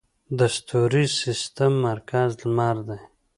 د ستوریز سیستم مرکز لمر دی